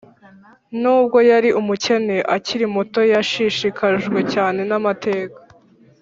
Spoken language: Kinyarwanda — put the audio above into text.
nubwo yari umukene. akiri muto yashishikajwe cyane n’amateka,